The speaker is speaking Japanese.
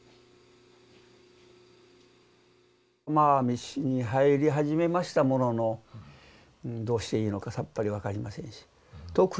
まあ熱心に入り始めましたもののどうしていいのかさっぱり分かりませんでした。